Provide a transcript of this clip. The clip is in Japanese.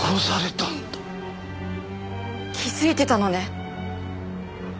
気づいてたのね。